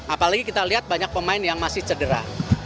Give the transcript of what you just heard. apalagi kita lihat banyak pemain yang masih cedera